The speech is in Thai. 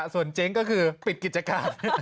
ส่วนเจ๊งก็คือปิดกิจการ